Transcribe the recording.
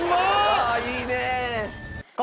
ああいいねえ！